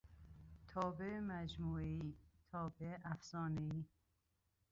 تابع مجموعهای، تابع افزانهای